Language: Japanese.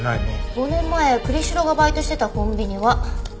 ５年前栗城がバイトしてたコンビニは。